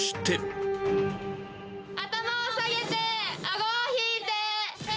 頭を下げて、あごを引いて。